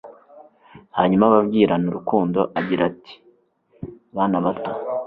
Hanyuma ababwirana urukundo agira ati : "Bana bato.